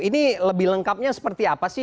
ini lebih lengkapnya seperti apa sih